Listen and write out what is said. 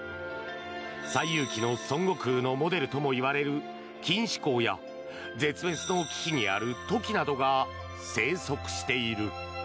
「西遊記」の孫悟空のモデルともいわれるキンシコウや絶滅の危機にあるトキなどが生息している。